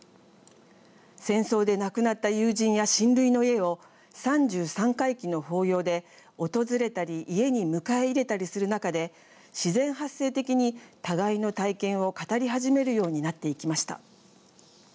戦争で亡くなった友人や親類の家を三十三回忌の法要で訪れたり家に迎え入れたりする中で自然発生的に互いの体験を語り始めるようになっていきました。